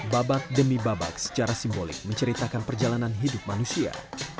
babak demi babak secara simbolik menceritakan perjalanan hidup manusia